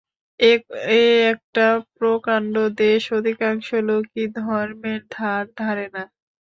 এ একটা প্রকাণ্ড দেশ, অধিকাংশ লোকই ধর্মের ধার ধারে না।